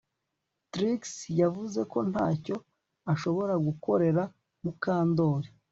Trix yavuze ko ntacyo ashobora gukorera Mukandoli